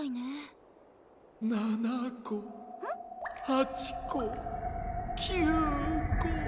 ８こ９こ。